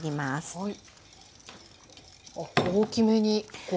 はい。